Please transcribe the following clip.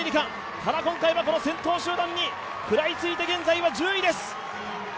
ただ今回は先頭集団に食らいついて、現在１０位です。